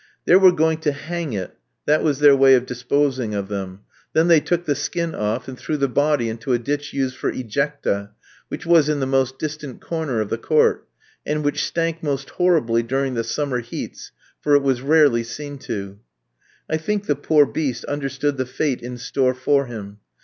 They were going to hang it; that was their way of disposing of them; then they took the skin off, and threw the body into a ditch used for ejecta, which was in the most distant corner of the court, and which stank most horribly during the summer heats, for it was rarely seen to. I think the poor beast understood the fate in store for him.